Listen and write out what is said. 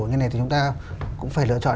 như thế này thì chúng ta cũng phải lựa chọn